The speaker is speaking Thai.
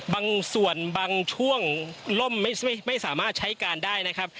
บางส่วนบางช่วงล่มไม่สามารถใช้การได้นะครับ